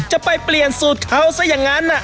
จะไปเปลี่ยนสูตรเขาซะอย่างนั้น